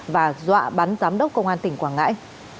và dọa bắn giám đốc công an tỉnh quảng ngãi